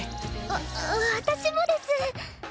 わ私もです。